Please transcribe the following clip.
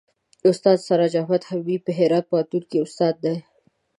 استاد سراج احمد حبیبي په هرات پوهنتون کې استاد دی.